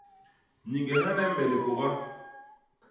Nyiñghene me likôga.